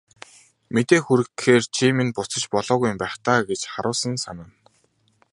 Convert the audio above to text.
Мэдээ хүргэхээр чи минь буцаж болоогүй юм байх даа гэж харуусан санана.